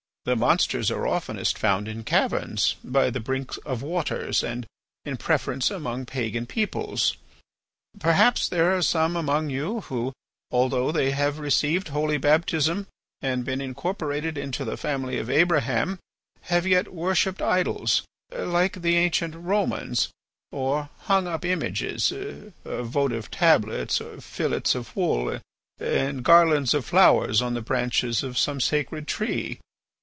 The monsters are oftenest found in caverns, by the brinks of waters, and, in preference, among pagan peoples. Perhaps there are some among you who, although they have received holy baptism and been incorporated into the family of Abraham, have yet worshipped idols, like the ancient Romans, or hung up images, votive tablets, fillets of wool, and garlands of flowers on the branches of some sacred tree.